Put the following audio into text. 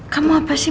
kamu apa sih